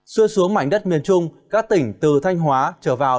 xuy xuống mảnh đất miền trung các tỉnh từ thanh hóa trở vào